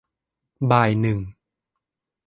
บ่ายหนึ่ง